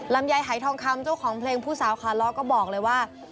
ลำไยหายทองคำเจ้าของเพลงผู้สาวขาล้อก็บอกเลยว่า